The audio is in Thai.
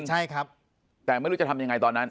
ใช่ครับแต่ไม่รู้จะทำยังไงตอนนั้น